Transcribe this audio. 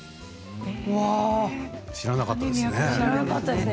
知らなかったですね。